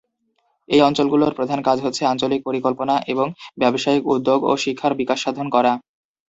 এই অঞ্চলগুলোর প্রধান কাজ হচ্ছে আঞ্চলিক পরিকল্পনা, এবং ব্যবসায়িক উদ্যোগ ও শিক্ষার বিকাশ সাধন করা।